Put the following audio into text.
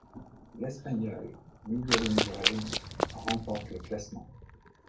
L'Espagnol Miguel Indurain remporte le classement.